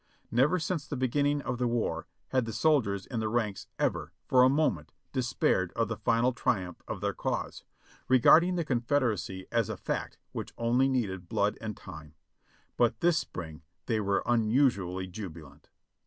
Never since the beginning of the war had the soldiers in the ranks ever, for a moment, despaired of the final triumph of their cause, regarding the Confederacy as a fact which only needed blood and time ; but this spring they were unusually jubilant.